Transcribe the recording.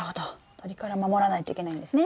鳥から守らないといけないんですね。